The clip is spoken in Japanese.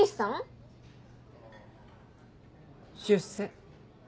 出世。